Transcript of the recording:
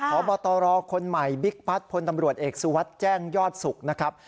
พบตรคนใหม่บิ๊กพัฒน์พลตำรวจเอกสุวัสดิ์แจ้งยอดสุขนะครับ